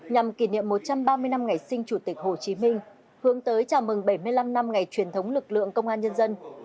nhằm kỷ niệm một trăm ba mươi năm ngày sinh chủ tịch hồ chí minh hướng tới chào mừng bảy mươi năm năm ngày truyền thống lực lượng công an nhân dân